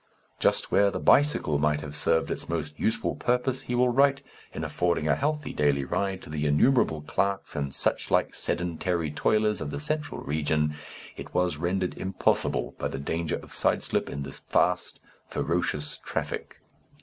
"Just where the bicycle might have served its most useful purpose," he will write, "in affording a healthy daily ride to the innumerable clerks and such like sedentary toilers of the central region, it was rendered impossible by the danger of side slip in this vast ferocious traffic."